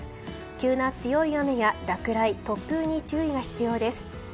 急な強い雨や落雷、突風に注意が必要です。